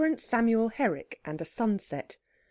SAMUEL HERRICK AND A SUNSET.